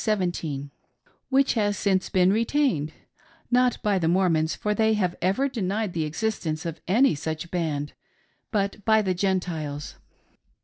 17,] which has since been retained; — not by the Mor mons, for they have ever denied the existence of any such band, but by the Gentiles.